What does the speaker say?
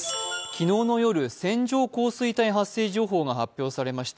昨日の夜、線状降水帯発生情報が発表されました。